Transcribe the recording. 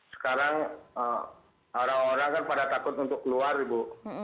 sekarang orang orang pada takut untuk keluar bu